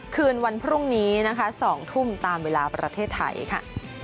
คืนวันพรุ่งนี้นะคะ๒ทุ่มตามเวลาประเทศไทยค่ะ